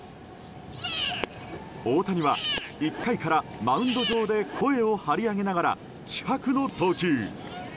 大谷は１回からマウンド上で声を張り上げながら気迫の投球。